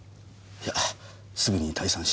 いやすぐに退散します。